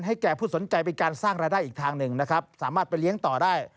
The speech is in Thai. แก่ผู้สนใจเป็นการสร้างรายได้อีกทางหนึ่งนะครับสามารถไปเลี้ยงต่อได้